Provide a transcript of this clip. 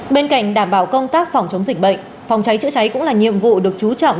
bên cạnh đảm bảo công tác phòng chống dịch bệnh phòng cháy chữa cháy cũng là nhiệm vụ được chú trọng